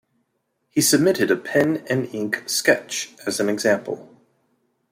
He submitted a pen-and-ink sketch as an example.